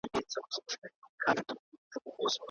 که علم په پښتو وي، نو د پوهې خوشبو به پیکه نه سي.